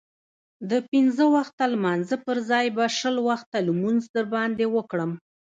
د پنځه وخته لمانځه پرځای به شل وخته لمونځ در باندې وکړم.